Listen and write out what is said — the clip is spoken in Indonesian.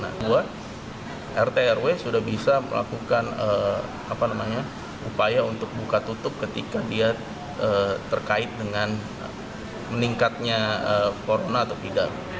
kedua rtrw sudah bisa melakukan upaya untuk buka tutup ketika dia terkait dengan meningkatnya corona atau tidak